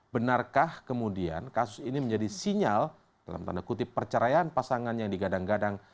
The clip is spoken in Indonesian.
benarkah kemudian kasus ini menjadi sinyal dalam tanda kutip perceraian pasangan yang digadang gadang